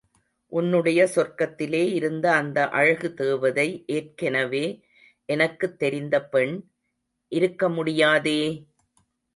உன்னுடைய சொர்க்கத்திலே இருந்த அந்த அழகு தேவதை ஏற்கெனவே எனக்குத் தெரிந்த பெண்., இருக்க முடியாதே!